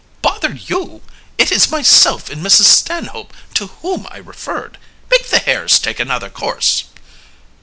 "Bother you! It is myself and Mrs. Stanhope to whom I referred. Make the hares take another course."